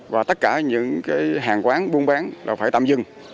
và tất cả những hàng quán buôn bán là phải tạm dừng